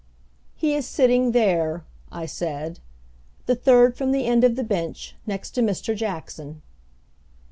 "He is sitting there," I said. "The third from the end of the bench, next to Mr. Jackson."